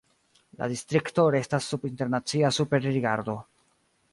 La distrikto restas sub internacia superrigardo.